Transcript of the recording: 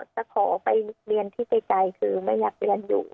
จะขอไปเรียนที่ไกลคือไม่อยากเรียนอยู่